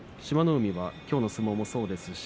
海はきょうの相撲もそうですし